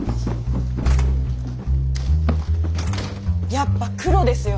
やっぱクロですよ